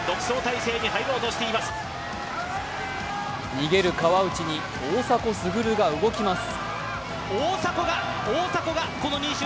逃げる川内に大迫傑が動きます。